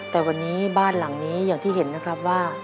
แต่วันนี้บ้านหลังนี้อย่างที่เห็นนะครับว่า